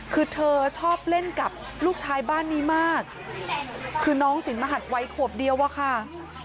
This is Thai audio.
คือเธอชอบเล่นกับลูกชายบ้านนี้มากคือน้องสินมหัสวัยขวบเดียวอะค่ะ